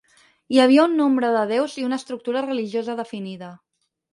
Hi havia un nombre de déus i una estructura religiosa definida.